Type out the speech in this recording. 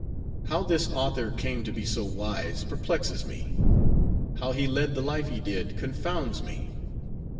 How this author came to be so wise, perplexes me. How he led the life he did, confounds me.